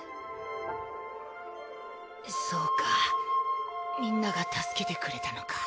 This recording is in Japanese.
そうかみんなが助けてくれたのか。